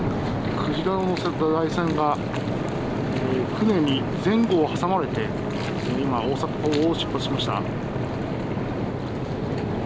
鯨を乗せた該船が船に前後を挟まれて今大阪港を出発しました。